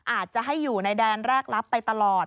อาจจะให้อยู่ในแดนแรกรับไปตลอด